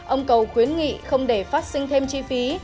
ông cầu khuyến nghị không để phát sinh thêm chi phí